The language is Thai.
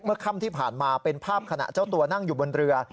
ค่ำที่ผ่านมาเป็นภาพขณะเจ้าตัวนั่งอยู่บนเรือ